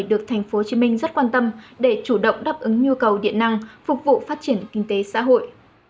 nhu cầu sử dụng điện năng để chủ động đáp ứng nhu cầu điện năng phục vụ phát triển kinh tế xã hội